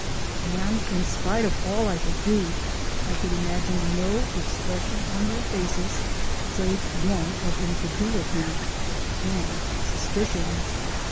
And in spite of all I could do, I could imagine no expression on their faces save one of incredulity and suspicion.